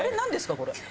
これ。